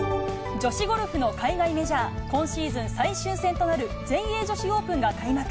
女子ゴルフの海外メジャー、今シーズン最終戦となる全英女子オープンが開幕。